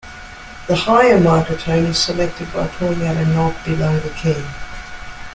The higher microtone is selected by pulling out a knob below the key.